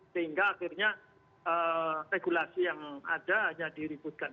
sehingga akhirnya regulasi yang ada hanya diributkan